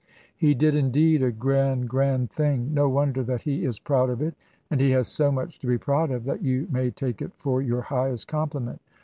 "He did indeed a grand grand thing. No wonder that he is proud of it. And he has so much to be proud of that you may take it for your highest compliment.